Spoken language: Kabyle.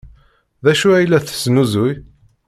D acu ay la tesnuzuy?